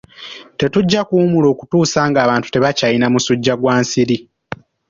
Tetujja kuwummula okutuusa ng'abantu tebakyalina musujja gwa nsiri.